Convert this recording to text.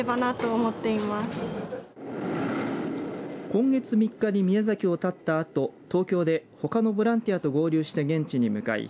今月３日に宮崎を発ったあと東京で、ほかのボランティアと合流して現地に向かい